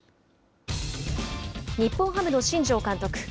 日本ハムの新庄監督。